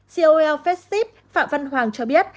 coo festip phạm văn hoàng cho biết